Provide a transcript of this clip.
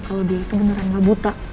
kalau dia itu beneran gak buta